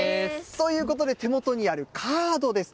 ということで、手元にあるカードです。